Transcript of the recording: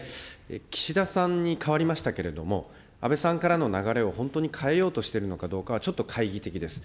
岸田さんに代わりましたけれども、安倍さんからの流れを本当に変えようといるのかどうかはちょっと懐疑的です。